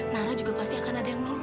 nara juga pasti akan ada yang nongk